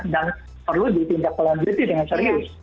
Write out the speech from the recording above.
dan perlu ditindak pelanjuti dengan serius